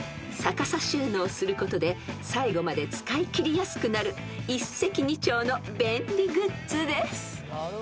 ［逆さ収納することで最後まで使い切りやすくなる一石二鳥の便利グッズです］